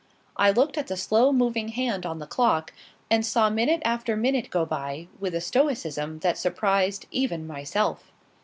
I looked at the slow moving hand on the clock, and saw minute after minute go by with a stoicism that surprised even myself.